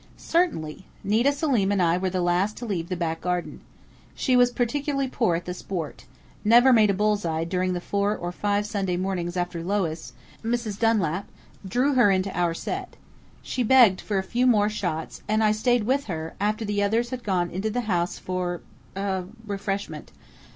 "Certainly! Nita Selim and I were the last to leave the back garden. She was particularly poor at the sport never made a bull's eye during the four or five Sunday mornings after Lois Mrs. Dunlap drew her into our set. She begged for a few more shots, and I stayed with her, after the others had gone into the house for er refreshment.